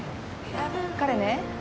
彼ね。